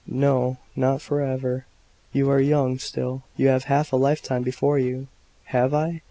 "No, not for ever. You are young still; you have half a lifetime before you." "Have I?"